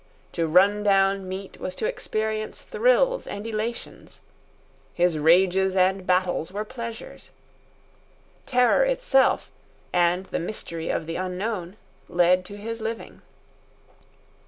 To run down meat was to experience thrills and elations. His rages and battles were pleasures. Terror itself, and the mystery of the unknown, led to his living.